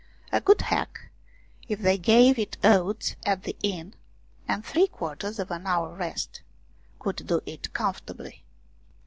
A good hack if they gave it oats at the inn, and three quarters' of an hour rest could do it comfortably.